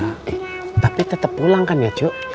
eh tapi tetep pulang kan ya cu